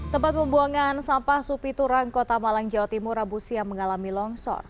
tempat pembuangan sampah supi turang kota malang jawa timur rabu siang mengalami longsor